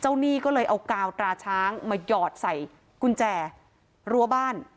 หนี้ก็เลยเอากาวตราช้างมาหยอดใส่กุญแจรั้วบ้าน